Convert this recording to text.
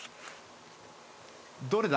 どれだ？